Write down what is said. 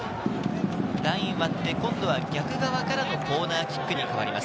ライン割って、今度は逆側からのコーナーキックに変わります。